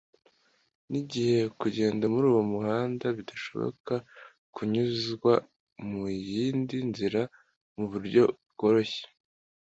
nigihe kugenda muri uwo muhanda bidashobora kunyuzwa muyindi nzira muburyo bworoshye